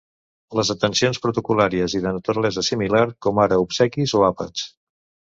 Les atencions protocol·làries i de naturalesa similar, com ara obsequis o àpats.